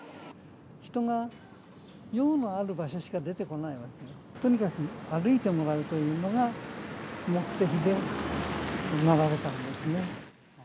人が用のある場所しか出てこないわけで、とにかく歩いてもらうというのが目的で並べたんですね。